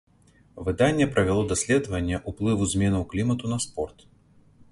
Выданне правяло даследаванне ўплыву зменаў клімату на спорт.